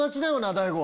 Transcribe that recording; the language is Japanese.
大悟。